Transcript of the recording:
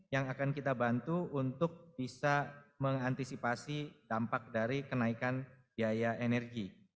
yang akan kita bantu untuk bisa mengantisipasi dampak dari kenaikan biaya energi